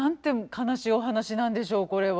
悲しいお話なんでしょうこれは。